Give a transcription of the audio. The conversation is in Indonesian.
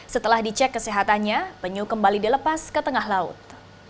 setelah dicek kesehatannya penyu kembali dilepas ke tengah laut